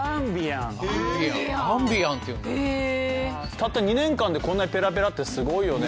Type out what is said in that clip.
たった２年間でこんなにペラペラってすごいよね。